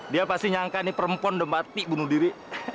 dia pasti nyangka nih perempuan udah mati bunuh diri